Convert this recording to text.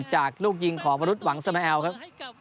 จากลูกยิงขอดรุตเหวางเสมอแอลครับ